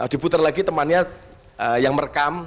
diputar lagi temannya yang merekam